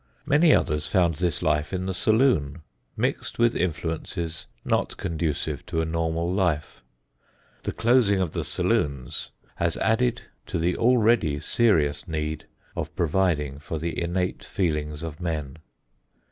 Many others found this life in the saloon, mixed with influences not conducive to a normal life. The closing of the saloons has added to the already serious need of providing for the innate feelings of men.